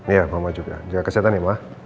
iya mama juga jaga kesehatan ya mbak